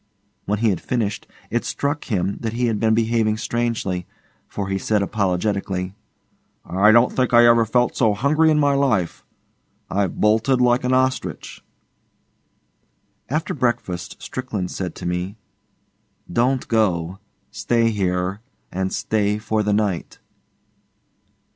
When he had finished, it struck him that he had been behaving strangely, for he said apologetically, 'I don't think I ever felt so hungry in my life. I've bolted like an ostrich.' After breakfast Strickland said to me, 'Don't go. Stay here, and stay for the night.